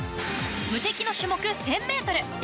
無敵の種目１０００ｍ。